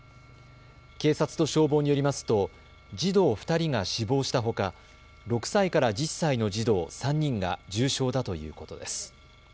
警察と消防によりますと児童２人が死亡したほか６歳から１０歳の児童３人が重傷だということです。